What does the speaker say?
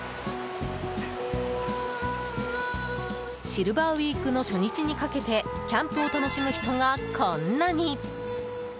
シルバーウィークの初日にかけてキャンプを楽しむ人が、こんなに。